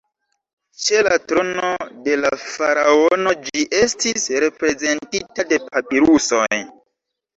Ĉe la trono de la faraono ĝi estis reprezentita de papirusoj.